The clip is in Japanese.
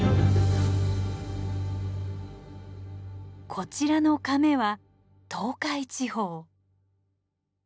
こちらのかめは東海地方。